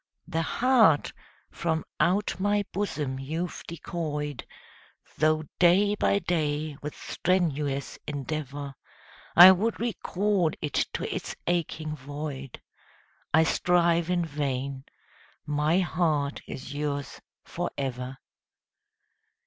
The heart from out my bosom you've decoyed, Though day by day with strenuous endeavour I would recall it to its aching void. I strive in vain my heart is yours for ever.